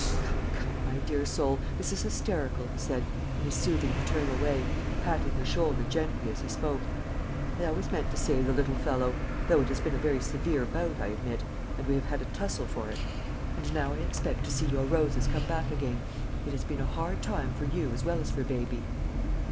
"Come, come, my dear soul, this is hysterical," he said, in his soothing paternal way, patting her shoulder gently as he spoke; "I always meant to save the little fellow; though it has been a very severe bout, I admit, and we have had a tussle for it. And now I expect to see your roses come back again. It has been a hard time for you as well as for baby."